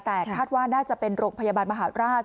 แต่คาดว่าน่าจะเป็นโรงพยาบาลมหาราช